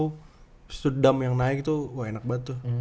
abis itu dham yang naik tuh enak banget tuh